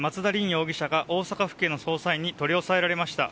容疑者が大阪府警の捜査員に取り押さえられました。